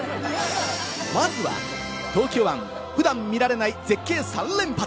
まずは、東京湾、普段見られない絶景３連発！